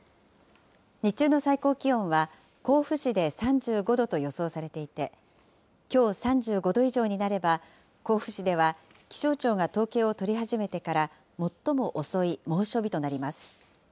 日中の最高気温は、甲府市で３５度と予想されていて、きょう３５度以上になれば、甲府市では気象庁が統計を取り始めてから最も遅い猛暑日となります。